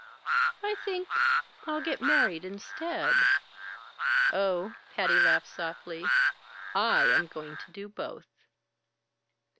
"I think I'll get married instead." "Oh!" Patty laughed softly. "I am going to do both!"